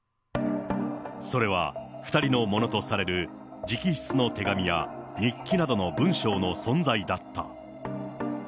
それは２人のものとされる直筆の手紙や日記などの文章の存在だった。